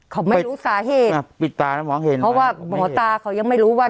เขาไม่รู้สาเหตุอ่ะปิดตานะมองเห็นเพราะว่าหมอตาเขายังไม่รู้ว่า